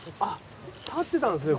立ってたんですね